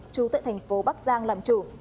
chú tại tp bắc giang làm chủ